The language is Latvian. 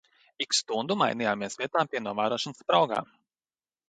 Ik stundu mainījāmies vietām pie novērošanas spraugām.